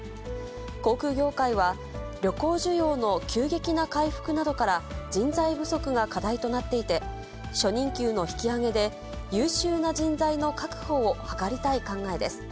航空業界は旅行需要の急激な回復などから、人材不足が課題となっていて、初任給の引き上げで、優秀な人材の確保を図りたい考えです。